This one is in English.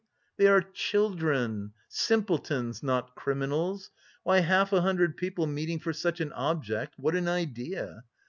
They are children, simpletons, not criminals! Why, half a hundred people meeting for such an object what an idea!